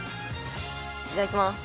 いただきます。